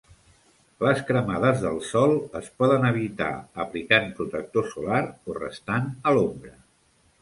Les cremades del sol es poden evitar aplicant protector solar o restant a l'ombra.